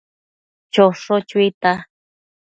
Chosho chuita